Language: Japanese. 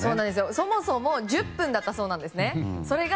そもそも１０分だったそうですね。